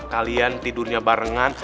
kalian tidurnya barengan